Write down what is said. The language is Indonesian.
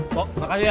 pok makasih ya